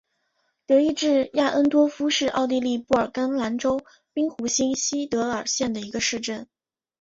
德意志亚恩多夫是奥地利布尔根兰州滨湖新锡德尔县的一个市镇。